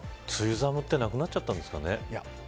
梅雨寒ってなくなっちゃったんですかね。